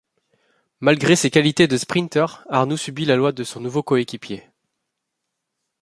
Malgré ses qualités de sprinter, Arnoux subit la loi de son nouveau coéquipier.